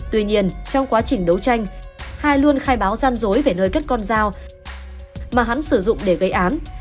tuy nhiên trong quá trình đấu tranh hải luôn khai báo gian dối về nơi cất con dao mà hắn sử dụng để gây án